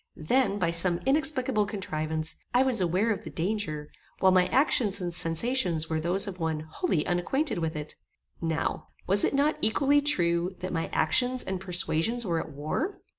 Then, by some inexplicable contrivance, I was aware of the danger, while my actions and sensations were those of one wholly unacquainted with it. Now, was it not equally true that my actions and persuasions were at war?